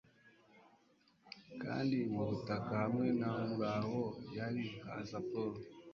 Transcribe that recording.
Kandi mu butaka hamwe na 'Muraho, y'all' ... haza Paul!